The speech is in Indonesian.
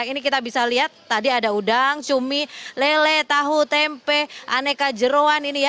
ini kita bisa lihat tadi ada udang cumi lele tahu tempe aneka jeruan ini ya